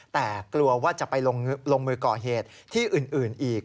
แต่กลัวว่าจะไปลงมือก่อเหตุที่อื่นอีก